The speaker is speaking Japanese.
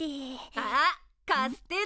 ・あっカステラ！